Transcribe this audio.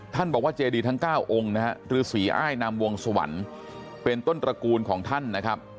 บอกว่าเจดีทั้ง๙องค์นะฮะฤษีอ้ายนามวงสวรรค์เป็นต้นตระกูลของท่านนะครับ